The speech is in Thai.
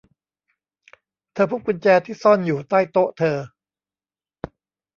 เธอพบกุญแจที่ซ่อนอยู่ใต้โต๊ะเธอ